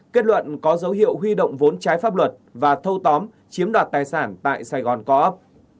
kết luận có dấu hiệu huy động vốn trái pháp luật và thâu tóm chiếm đoạt tài sản tại sài gòn co op